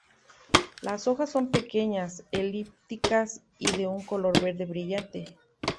Las hojas son pequeñas, elípticas y de un color verde brillante.